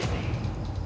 aku akan menang